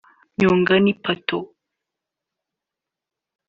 Nyongani Pato